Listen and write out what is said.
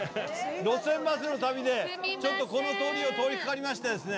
『路線バスの旅』でちょっとこの通りを通りかかりましてですね。